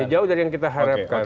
jauh dari yang kita harapkan